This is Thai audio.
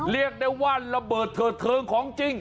เรียกได้ว่าระเบิดเถิดเทิงของจริง